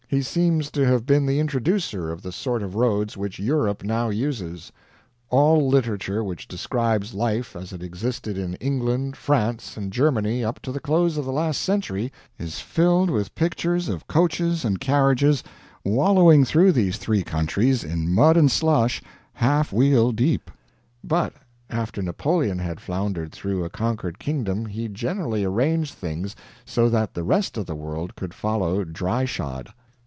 He seems to have been the introducer of the sort of roads which Europe now uses. All literature which describes life as it existed in England, France, and Germany up to the close of the last century, is filled with pictures of coaches and carriages wallowing through these three countries in mud and slush half wheel deep; but after Napoleon had floundered through a conquered kingdom he generally arranged things so that the rest of the world could follow dry shod.